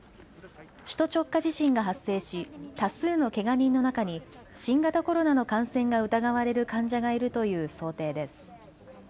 首都直下地震が発生し多数のけが人の中に新型コロナの感染が疑われる患者がいるという想定です。